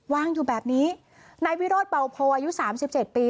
วางอยู่แบบนี้นายวิโรธเบาโพอายุสามสิบเจ็ดปี